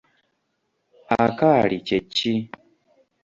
Akaali kye ki ?